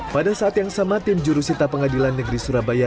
pada saat yang sama tim jurusita pengadilan negeri surabaya